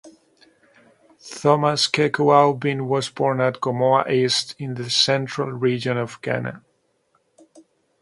Thomas Kweku Aubyn was born at Gomoa East in the Central Region of Ghana.